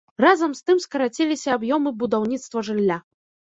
Разам з тым скараціліся аб'ёмы будаўніцтва жылля.